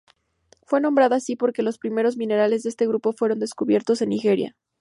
Fue nombrada así porque los primeros minerales de este grupo fueron descubiertos en Nigeria.